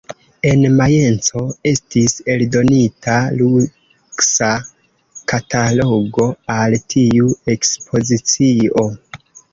En Majenco estis eldonita luksa katalogo al tiu ekspozicio.